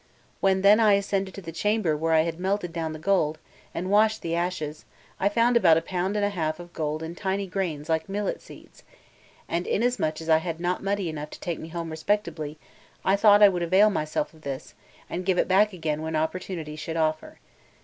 When then I ascended to the chamber where I had melted down the gold, and washed the ashes, I found about a pound and a half of gold in tiny grains like millet seeds; and inasmuch as I had not money enough to take me home respectably, I thought I would avail myself of this, and give it back again when opportunity should offer.